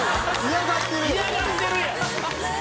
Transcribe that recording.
「嫌がってるやん！」